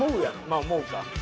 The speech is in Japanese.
まあ思うか。